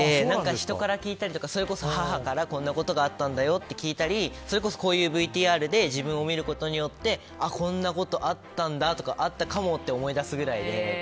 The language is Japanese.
人から聞いたりとか、それこそ母からこんなことがあったと聞いたりそれこそこういうＶＴＲで自分を見ることによってあ、こんなことがあったんだって思い出すぐらいで。